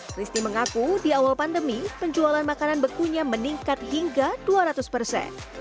christie mengaku di awal pandemi penjualan makanan bekunya meningkat hingga dua ratus persen